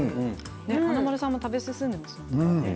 華丸さんも食べ進んでいますね。